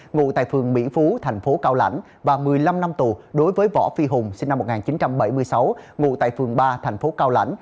ngụ tại phường mỹ phú thành phố cao lãnh và một mươi năm năm tù đối với võ phi hùng sinh năm một nghìn chín trăm bảy mươi sáu ngụ tại phường ba thành phố cao lãnh